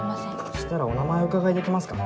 そしたらお名前お伺いできますか？